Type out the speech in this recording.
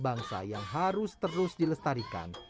bangsa yang harus terus dilestarikan